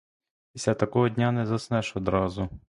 Після такого дня не заснеш одразу.